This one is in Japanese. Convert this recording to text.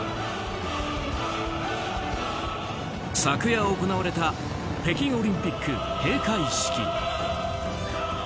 昨夜行われた北京オリンピック閉会式。